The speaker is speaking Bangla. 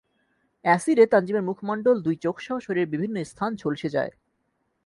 অ্যাসিডে তানজিমের মুখমণ্ডল, দুই চোখসহ শরীরের বিভিন্ন স্থান ঝলসে যায়।